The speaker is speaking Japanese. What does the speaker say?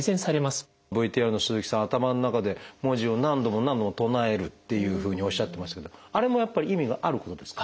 ＶＴＲの鈴木さん頭の中で文字を何度も何度も唱えるというふうにおっしゃってますけどあれもやっぱり意味があることですか？